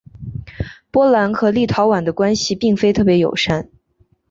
波兰和立陶宛的关系并非特别友善。